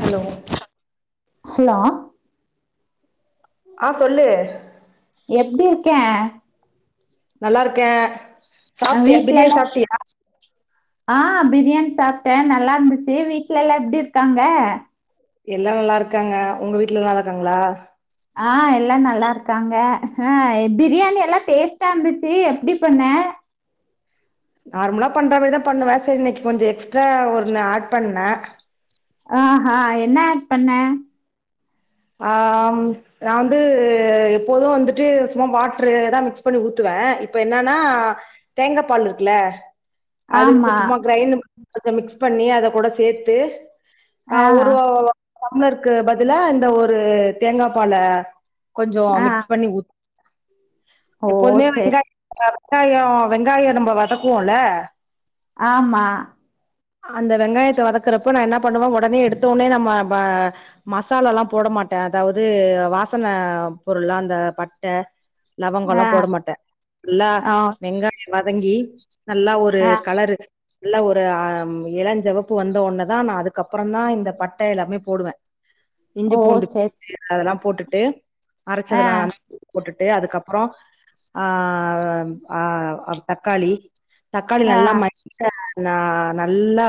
Hello hello ஆஹ் சொல்லு எப்டி இருக்க நல்லா இருக் க்க சாப்ட்டியா பிரியாணி சாப்ட்டியா ஆஹ் பிரியாணி சாப்ட்ட நல்லா இருந்துச்சு வீட்ல்லா எப்டி இருக்காங்க எல்லா நல்லா இருக்காங்க உங்க வீட்டு்ல நல்லா இருக்காங்களா ஆஹ் எல்லா நல்லா இருக் இருக்காங்க ஆஹ் பிரியானி எல்லாம் டேஸ்ட் சா இன்ந்துச்சி எப்டி பண்ண நார்மலா பண்ற மாரிதா‌ பண்ணுவ செரி இன்னைக்கு கொஞ்சோ எக்ஸ்ட்ரா ஒன்னு ஆட் பண்ண ஆஹ்ஹா என்ன அட் பண்ண ஆஹ்ம் நா வந்து எப்போது வந்துட்டு சும்மா வாட்ரு தா மிக்ஸ் பண்ணி ஊத்துவ இப்ப என்னன்னா தேங்கா பால்ருக்குல்ல அதுக்கு ஆமா சும்மா கிரைண்டு கொஞ்சோ மிக்ஸ் பண்ணி அத கூட சேத்து ஆ ஆஹ் ஒரு ஓ டம்ளர்கு பதிலா இந்த ஓர் ஒரு தேங்கா பால்ல கொஞ்சோ ஆ மிக்ஸ் பண்ணி ஊத் ஓ எப்போதுமே சேரி வெங்காய் [unintelligible] வெங்காயோ வெங்காயோ நம்ம வதக்குவோல ஆமா அந்த வெங்காயத்த வதக்கறப்போ நா என்ன பண்ணுவ உடனே எடுத்தோட்னே நம்ம ம மசால எல்லாம் போட மாட்ட அதாவது வாசன பொருள்லா அந்த பட்ட லவங்கோல்லா ஆ போட மாட்ட நல்லா ஓ வெங்காயோ வதங்கி நல்லா ஒரு ஆ கலரு நல்ல ஒரு ஆஹ் இளஞ்செவப்பு வந்த ஒட்னேதா நா அதுக்கப்புறோந்தா இந்த பட்ட எல்லாமே போடுவ இஞ்சி ஓ பூண்டு் சேரி பேஸ்ட்டு எல்லா அதெல்லா போட்டுட்டு ஆ அரச்சதெல்லா போட்டுட்டு அதுக்கப்புறோ ஆஹ் ஆஹ் தக்காளி தக்காளி ஆ நல்லா [unintelligible] நா நல்லா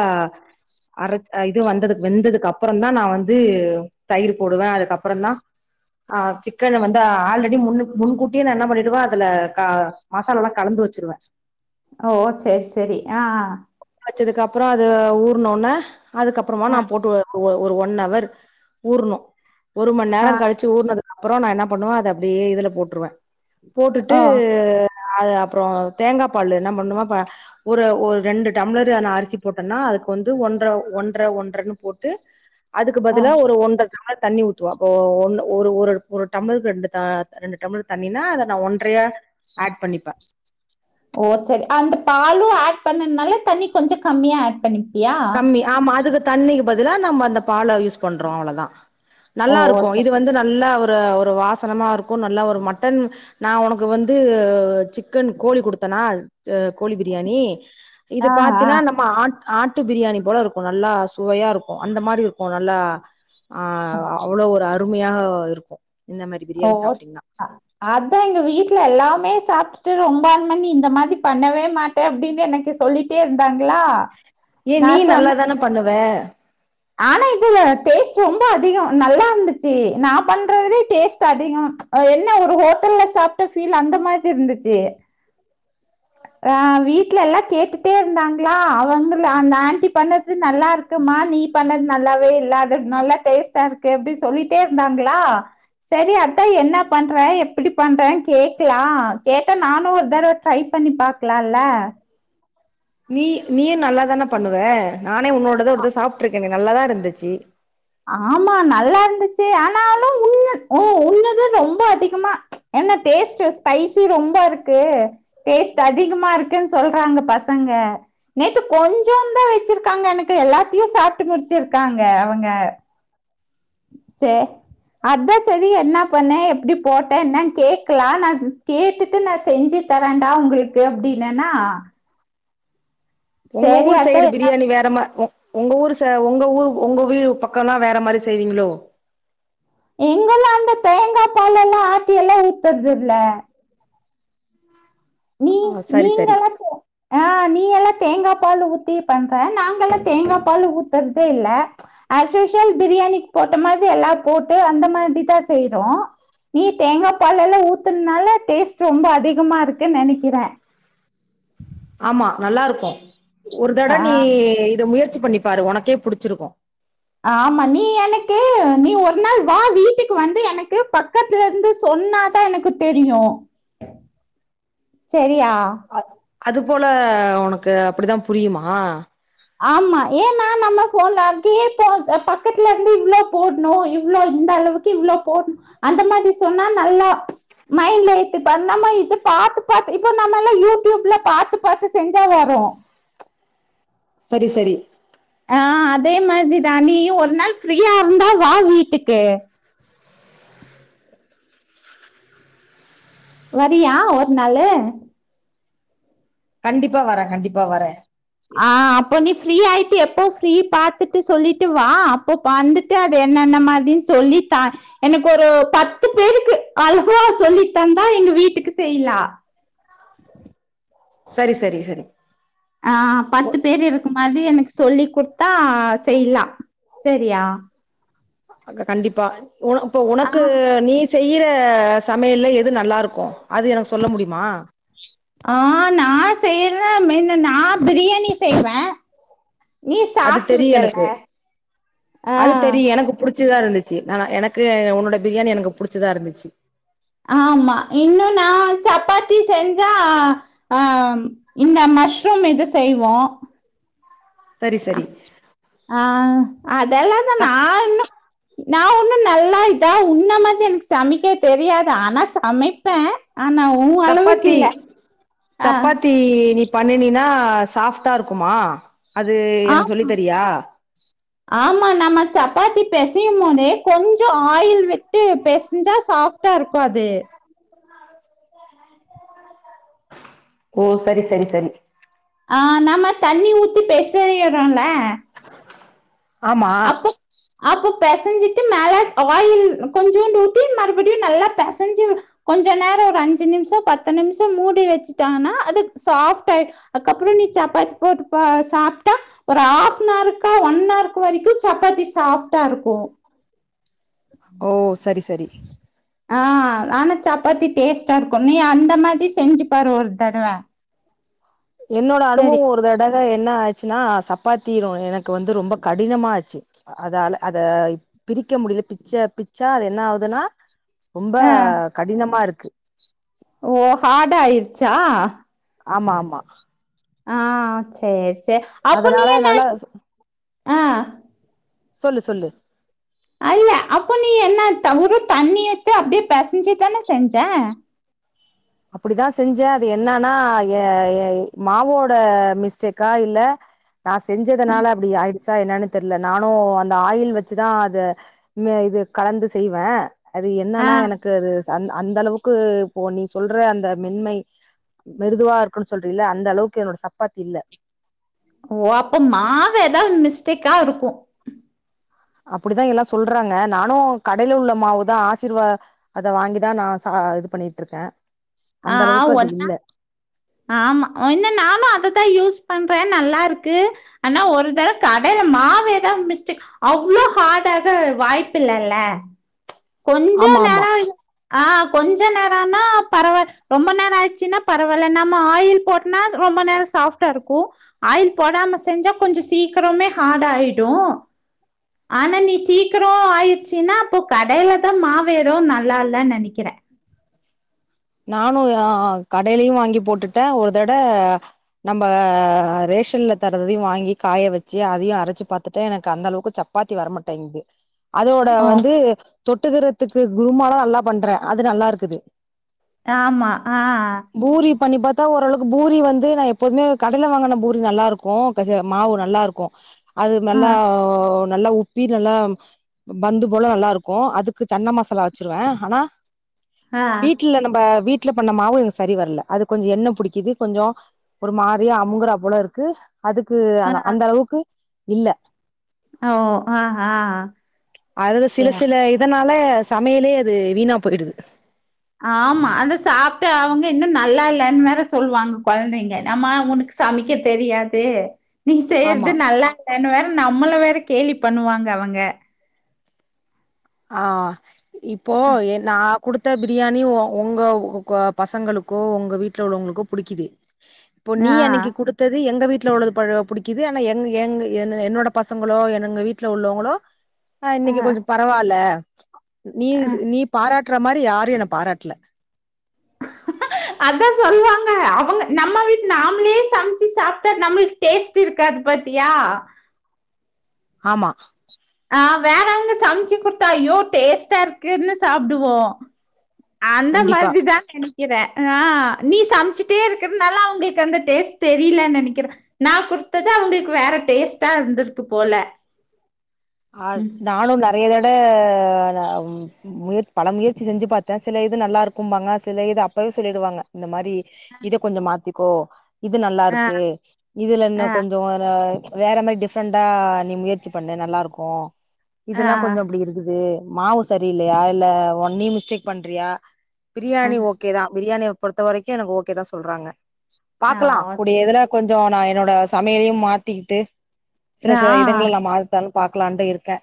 அரச் ஹ இது வந்ததுக் வெந்ததுக்கு அப்புறந்தா நா வந்து தயிர் போடுவ அதுக்கப்புறந்தா அஹ் சிக்கன வந்து ஆல்ரெடி முன்னுக் முன்கூட்டியே நா என்ன பண்ணிடுவ அதுல க மசாலலா கலந்து வச்சிருவே ஓ செரி செரி ஆஹ் வச்சதுக்கு அப்புறோ அது ஊற்னொன்ன அதுக்கப்புறமா ஆ நா போட்டு ஒ ஒரு ஒன் அவர் ஊறுணு ஒரு மண் ஆ நேரோ கழிச்சு ஊற்ணதுக் அப்புறோ நா என்னப் பண்ணுவோ அத அப்டியே இதுல போட்டுருவ போட்டுட்டு ஓ அஹ் அது அப்றோ தேங்கா பால்ல என்ன பண்ணுவோபா ஒரு ஒரு ரெண்டு டம்ளர் ஆன அரிசி போட்டன்னா அதுக்கு வந்து ஒன்ற ஒன்ற ஒன்றன்னு போட்டு அதுக்கு ஆ பதிலா ஒரு ஒன்ரை [unintelligible] தண்ணி ஊத்துவ ஒ ஒன்னு ஒரு ஒரு ஒரு டம்ளர்க்கு ரெண்டு தா ரெண்டு டம்ளர் தண்ணினா அத நா ஒன்றையா ஆட் பண்ணிப்பே ஓ செரி அந்த பாலு ஆட் பண்ணன்னால தண்ணி கொஞ்சோ கம்மியா ஆட் பண்ணிக் கம்மி ஆமா அதுக்கு தண்ணிக்கு பதிலா நம்ம அந்த பால யூஸ் பண்றோ அவ்ளோதா ஓ நல்லாருக்கு இது சரி. வந்து நல்லா ஒரு ஒர் ஒரு வாசனமா இருக்கு‌நல்லா ஒரு மட்டன் நா உனக்கு வந்து சிக்கன் கோழி குடுத்தனா து கோழி பிரியாணி இது ஆ, ஆ. பாத்தின்னா நம்ம ஆன் ஆன் நாட்டு பிரியாணி போல இருக்கு நல்லா சுவையா இருக்கு அந்த மாரி இருக்கு நல்லா ஆஹ் அவ்ளோ ஒரு அருமையாக போய்ருக்கு ஓ அ அதா எங்க வீட்ல எல்லாமே சாப்டுட்டு ரொம்ப பிளான் பண்ணி இந்த மாரி பண்ணவே மாட்ட அப்டின்னு எனக்கு சொல்லிட்டே இருந்தாங்களா ஏ நீ நான் சொன்னேன். நல்லாதான பண்ணுவ ஆனா இதுல டேஸ்ட் ரொம்ப அதிக நல்லா இருந்துச்சு நா பண்றதுலயு டேஸ்ட் அதிக என்ன ஒரு ஹோட்டல்ல சாப்ட்ட ஃபீல் அந்த மாரி இருந்துச்சு அஹ் வீட்ல எல்லா கேட்டுட்டே இருந்தாங்களா அவங்கள அந்த ஆண்டி பண்ணது நல்லாருக்குமா நீ பண்ணது நல்லாவே இல்ல அது நல்லா டேஸ்ட்டா இருக்கு அப்டின்னு சொல்லிட்டே இருந்தாங்களா செரி அத்தா என்ன பண்ற எப்டி பண்றே கேக்கலா கேட்டா நானு ஒரு தடவ ட்ரை பண்ணி பாக்கலால்ல நீ நீயும் நல்லாதானா பண்ணுவ நானே உன்னோடத ஒருதடவ சாப்ட்டு இருக்கனே நல்லாதா இருந்துச்சு ஆமா நல்லா இருந்துச்சு ஆனாலு உண்ணு உ உண்ணுத ரொம்ப அதிகமா என்ன டேஸ்ட்டுஸ் ஸ்பைசி ரொம்ப இருக்கு டேஸ்ட் அதிகமா இருக்குன் சொல்றாங்க பசங்க நேற்று கொஞ்ச தா வெச்சுருக்காங்க எனக்கு எல்லாத்தயு சாப்ட்டு முடிச்சிருக்காங்க அவங்க சரி அதா செரி என்னா பண்ண எப்டி போட்டேன்னு கேக்கலா நா கேட்டுட்டு நா செஞ்சு தரேன்டா உங்களுக்கு அப்டின்னன்னா உங்க ஊரு சைடு என்ன பிரியாணி வேறமா வ உங்க ஊர் ச உங்க ஊர் உங்க வீடு பக்கலா எங்கலாந்து தேங்காய் பால்லெல்லா ஆட்டில்லா ஊத்றதுல நீ ஆ சரி சரி நீங்கலா போ ஆஹ நீ எல்லா தேங்கா பால் ஊத்தி பண்ற நாங்க எல்லா தேங்கா பால் ஊத்துறதே இல்ல அஸ்உசுயல் பிரியாணிக்கு போட்ட மாரி எல்லா போட்டு அந்த மாரி தா செய்றோ நீ தேங்கா பால்லுலா எல்லா ஊத்துனால டேஸ்ட் ரொம்ப அதிகமா இருக்கு நெனக்கிற ஆமா நல்லாருக்கும ஒரு தட ஆ, நீ இத முயற்சி பண்ணி பாரு உனக்கே புடிச்சிருக்கு ஆமா நீ எனக்கு நீ ஒரு நாள் வா வீட்டுக்கு வந்து எனக்கு பக்கத்துல இருந்து சொன்னாதா எனக்கு தெரியு செரி ரியா அது போல உனக்கு அப்டித்தா புரியுமா ஆமா ஏன்னா நம்ம போன்ல அங்கயே போ பக்கத்துல இருந்து இவ்ளோ போடணு இவ்ளோ இந்த அளவுக்கு இவ்ளோ போணு அந்த மாரி சொன்னா நல்லா மைண்ட்ல எத்து நம்ம இத பாத்து பாத்து இப்ப நம்ம எல்லா யூடிப்ல பாத்து பாத்து செஞ்சா வரு செரி செரி ஆஹ் அதே மாரிதா நீ ஒரு நாள் ஃப்ரீயா இருந்த வா வீட்டுக்கு வரியா ஒரு நாளு கண்டிப்பா வர கண்டிப்பா வர ஆஹ் அப்போ நீ ஃப்ரீ ஆய்ட்டு எப்போ ஃப்ரீ பாத்துட்டு சொல்லிட்டு வா அப்போ வந்துட்டு அது என்னென்ன மாதினு சொல்லித்தா எனக்கு ஒரு பத்து பேருக்கு அளகுவா சொல்லி தந்தா எங்க வீட்டுக்கு செய்லா செரி செரி செரி ஆஹ் பத்து பேரு இருக்கு மாதிரி எனக்கு சொல்லி்குடுத்தா செய்லா செரியா அதா கண்டிப்பா உன இப்ப ஆ உனக்கு நீ செய்யிற சமையல்ல எது நல்லாருக்கு அது எனக்கு சொல்ல முடியுமா ஆ நா செய்யறே மென்ன நா பிரியாணி செய்வே நீ அது சாப்ட்டு தெரியு இருக்கல்ல எனக்கு ஆ அது தெரியு எனக்கு புடிச்சுதா இருந் சி நா எனக்கு உன்னோட பிரியாணி எனக்கு புடிச்சுதா இருந்துச்சு ஆமா இன்னு நா சப்பாத்தி செஞ்சா அ இந்த மஷ்ரூம் இது செய்வோ சரி சரி அ ஆ அதெல்லாந்தா நா சப் இன்னு நா ஒண்ணு நல்லா இதா உன்ன மாதிரி எனக்கு சமைக்க தெரியாது ஆனா சமைப்பே சப்பாத்தி ஆ சப்பாத்தி நீ பண்ணினீனா ஆ சாஃப்ட்டா இருக்குமா அது எனக்கு சொல்லி ஆமா தரியா ஆமா நம்ம சப்பாத்தி பெசையும் போதே கொஞ்சொ ஆயில் விட்டு பெசிஞ்சா சாஃப்டா இருக்கு அது ஓ சரி சரி சரி ஆ நாம தண்ணி ஊத்தி பெசையறோல ஆமா அப்ப பெசஞ்சிட்டு மேல ஆயில் கொஞ்சோண்டு ஊத்தி மறுபடியு நல்லா பெசஞ்சு கொஞ்ச நேரம் ஒரு அஞ்சு நிமிஷம் பத்து நிமிஷம் மூடி வச்சுட்டம்னா அது சாஃப்ட் ஆயிடு அதுக்கப்புறொ நீ சப்பாத்தி போட்டு சாப்பிட்டா ஒரு ஹாஃபன்ஹவர்கக்கு ஒன்னவர் வரைக்கு சப்பாத்தி சாஃப்டா இருக்கு ஓ சரி சரி ஆ ஆனா சப்பாத்தி டேஸ்ட்டா இருக்கு நீ அந்த மாதிரி செஞ்சு பாரு ஒரு தடவ என்னோட சரி அனுபவொ ஒரு தடக என்ன ஆ ச்சுன்னா சப்பாத்தி ரோ எனக்கு வந்து ரொம்ப கடினமாச்சு அதால அத பிரிக்க முடில பிச்ச பிச்சா அதென்ன ஆகுதுனா ரொம்ப ஆ கடினமா இருக் ஓ ஹார்டாயிருச்சா ஆமாமா ஆஹ் சேரி சேர் அப்போ நீ அதனால என்ன என்னால ஆ சொல்லு சொல்லு அல்ல அப்போ நீ என்ன தவுறு தண்ணி எத்து அப்டியே பெசஞ்சுதான செஞ்சே அப்டிதா செஞ்சே அது என்னன்னா ஏ மாவோட மிஸ்டேக்கா இல்ல நா செஞ்சதுனால அப்படி ஆயி ச்சா என்னன்னு தெர்ல நானு அந்த ஆயில் வெச்சுதா அத ம் அ இது கலந்து செய்வே அது ஆ என்னனா எனக்கு அது அந் அந்த அளவுக்கு போ நீ சொல்ற அந்த மென்மை மிருதுவா இருக்குன் சொல்றீல்ல அந்த அளவுக்கு என்னோட சப்பாத்தி இல்ல ஓ அப்போ மாவ ஏதாவ் மிஸ்டேக் கா இருக்கும் அப்படிதான் எல்லாம் சொல்றாங்க நானும் கடையில உள்ள மாவுதான் ஆசீர்வா அத வாங்கிதான் நான் ச இது பண்ணிட்டு இருக்கேன் ஆ அந்த அளவுக்கு அது ஒன்னா இல்ல ஆமா ஒன்ன நானும் அததான் யூஸ் பண்றேன் நல்லா இருக்கு ஆனா ஒரு தடவ கடைல மாவு ஏதா மிஸ்டேக் அவ்ளோ ஹார்டாக வாய்ப்பு இல்லல்ல கொஞ்ச ஆமா ஆமா நேரம் ஆஹ் கொஞ்ச நேரனா பரவா ரொம்ப நேரம் ஆயிச்சுன்னா பரவாயில்ல நம்ம ஆயில் போட்டோனா ரொம்ப நேரம் சாஃப்டா இருக்கும் ஆயில் போடாம செஞ்சா கொஞ்ச சீக்கிரமே ஹார்டாயிடும் ஆனா நீ சீக்கிரம் ஆயிச்சுன்னா அப்போ கடையிலதான் மாவேரும் நல்லா இல்லனு நினைக்கிற நானும் அஹ் கடையிலயையும் வாங்கி போட்டுட்டேன் ஒரு தட நம்ம ரேஷன்ல தர்றதையும் வாங்கி காய வச்சு அதையும் அரைச்சு பாத்துட்டேன் எனக்கு அந்த அளவுக்கு சப்பாத்தி வரமாட்டேங்குது அதோட ஓ வந்து தொட்டுக்கரத்துக்கு குருமாலாம் நல்லா பண்றேன் அது நல்லா இருக்குது ஆமா ஆஹ் பூரி பண்ணி பாத்தா ஓரளவுக்கு பூரி வந்து நா எப்போதுமே கடைல வாங்கின பூரி நல்லா இருக்கும் இது மாவு நல்லா இருக்கும் அது ஆ மல்லா நல்லா உப்பி நல்லா பந்து போல நல்லா இருக்கும் அதுக்கு சன்ன மசாலா வச்சிருவேன் ஆனா ஆஹ் ட்ல நம்ப வீட்டு்ல பண்ண மாவு எனக்கு சரி வரல அது கொஞ்ச எண்ணெப் பிடிக்குது கொஞ்ச ஒரு மாரியா அமுங்கரா போல இருக்கு அதுக்கு அந்த அளவுக்கு இல்ல ஆஹ் அஹ ச ல சமையலே அது வீணா போயிடுது ஆமா அதை சாப்டு அவுங்க இன்னும் நல்லா இல்லன் வேற சொல்வாங்க கொழந்தைங்க அம்மா உனக்கு சமைக்க தெரியாது நீ ஆமா செய்யறது நல்லா இல்லன்னு வேற நம்மள வேற கேலி பண்ணுவாங்க அவுங்க ஆஹ் இப்போ எ நா கொடுத்த பிரியாணி ஓ ஒங்க ஒங்க பசங்களுக்கோ ஒங்க வீட்ல உள்ளவங்களுக்கோ பிடிக்குது இப்போ நீ ஆ அன்னைக்கு கொடுத்தது எங்க வீ ட்ல உள்ளது பல பிடிக்குது ஆனா எங் எங்க் என் என்னோட பசங்களோ என்னங்க வீட்ல உள்ளவங்களோ ஆஹ் ஆ இன்னைக்கு கொஞ்சம் ப அஹ் நீ நீ பாராட் ராட்டுற மாரி யாரும் என்ன பாராட்டல [inaudible] அதா சொல்லுவாங்க அவங்க நம்ம வீட்டு நாமளே சமச்சு சாப்டு நம்ளுக்கு டேஸ்ட் இருக்காது பாத்தியா ஆமா ஆஹ் வேற அங்க சமச்சி குடுத்தா ஐயோ டேஸ்ட்டா இருக்குன்னு சாப்டுவோ அந்த கண்டிப்பா மாதி தா [inaudible] க்கிற ஆஹ் நீ சம்சுட்டே இருக்கறனால அவங்ளுக்கு அந்த டேஸ்ட் தெரியலன்னு நெனைக்கிற நா குடுத்தது அவங்ளுக்கு வேற டேஸ்ட்டா இருந்திருக்கு போல ஆஹ் ம். நானு நெறைய தட ஆஹ் உம் முயற்ச் பல முயற்சி செஞ்சு பாத்த சில இது நல்லா இருக்குபாங்க சில இது அப்பவே சொல்லிடுவாங்க இந்த மாரி இத கொஞ்சோ மாத்தி கோ இது நல்லா ஆ இருக்கு இதுல இன்ன ஆ கொஞ்சோ [unintelligible] வேற மாரி டிஃப்ரெண்டா நீ முயற்சி பண்ணு நல்லா இருக்கு கும் ஆ இதெல்லா கொஞ்சோ அப்டி இருக்குது மாவு சரியில்லையா இல்ல ஒன்னையு நீ மிஸ்டேக் பண்றியா ஆ பிரியாணி ஓக்கே தா பிரியாணி பொறுத்த வரைக்கு எனக்கு ஓகே தா சொல்றாங்க ஆ பாக்கலா கூடிய ஓகே. இதுல கொஞ்சோ நா என்னோட சமையலையு மாத்திகிட்டு சில ஆ சில இதுங்கள எல்லா [unintelligible] பாக்லான்டு இருக்கே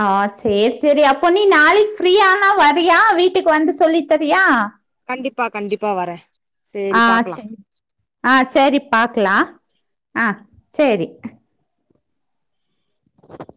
ஆஹ் சேர் சேரி அப்போ நீ நாளைக் ஃப்ரீயனா வறியா வீட்டுக்கு வந்து சொல்லி தரியா கண்டிப்பா கண்டிப்பா வரே சேரி ஆஹ் பாக்கலா சேரி ஆஹ் சேரி பாக்கலா ஆஹ் சேரி [inaudible]